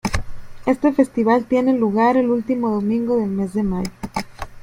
Este festival tiene lugar el último domingo del mes de mayo.